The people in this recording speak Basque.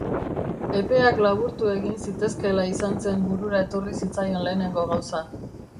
Epeak laburtu egin zitezkeela izan zen burura etorri zitzaion lehenengo gauza.